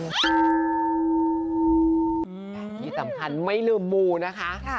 อย่างนี้สำคัญไม่ลืมหมูนะคะ